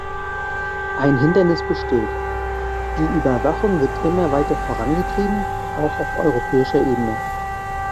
Ein Hindernis besteht: Die Überwachung wird immer weiter vorangetrieben, auch auf europäischer Ebene.